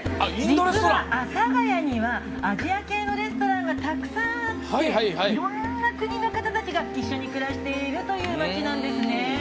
実は、阿佐ヶ谷にはアジア系のレストランがたくさんあっていろんな国の方たちが一緒に暮らしているという街なんですね！